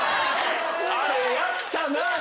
あれやったな。